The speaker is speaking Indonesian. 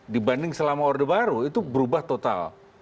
dibanding selama orde baru itu berubah total